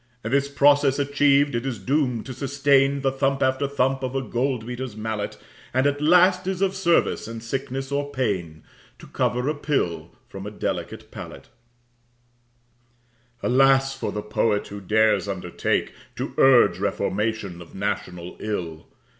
This process achiev'd, it is doom'd to sustain The thump after thump of a gold beater's mallet, And at last is of service in sickness or pain To cover a pill from a delicate palate. Alas for the Poet, who dares undertake To urge reformation of national ill!